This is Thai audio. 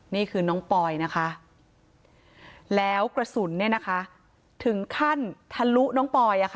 นี่คือน้องปอยนะคะแล้วกระสุนเนี่ยนะคะถึงขั้นทะลุน้องปอย